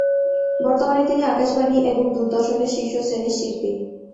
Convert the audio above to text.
বর্তমানে তিনি আকাশবাণী এবং দূরদর্শনের শীর্ষ শ্রেণির শিল্পী।